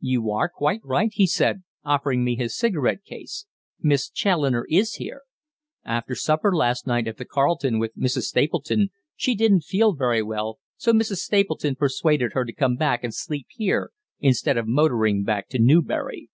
"You are quite right," he said, offering me his cigarette case. "Miss Challoner is here. After supper last night at the Carlton with Mrs. Stapleton she didn't feel very well, so Mrs. Stapleton persuaded her to come back and sleep here instead of motoring back to Newbury.